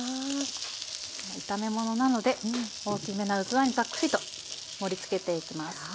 炒め物なので大きめな器にざっくりと盛りつけていきます。